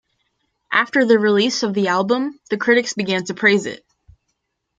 After the release of the album, the critics begin to praise it.